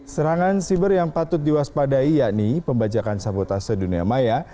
serangan cyber yang patut diwaspadai yakni pembajakan sabotase dunia